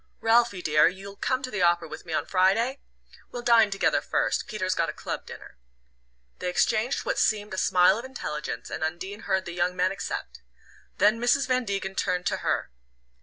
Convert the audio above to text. "Ralphie, dear, you'll come to the opera with me on Friday? We'll dine together first Peter's got a club dinner." They exchanged what seemed a smile of intelligence, and Undine heard the young man accept. Then Mrs. Van Degen turned to her.